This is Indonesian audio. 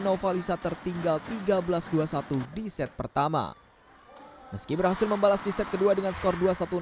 nova lisa tertinggal tiga belas dua puluh satu di set pertama meski berhasil membalas di set kedua dengan skor dua satu enam belas